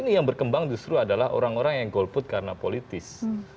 yang berkembang justru adalah orang orang yang golput karena politis